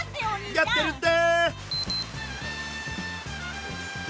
やってるって！